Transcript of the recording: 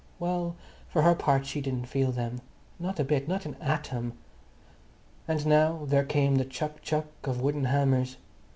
Well, for her part, she didn't feel them. Not a bit, not an atom.... And now there came the chock chock of wooden hammers.